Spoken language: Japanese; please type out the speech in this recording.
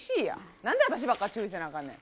なんであたしばっか注意せなあかんねん。